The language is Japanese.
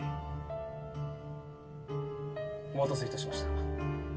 お待たせいたしました。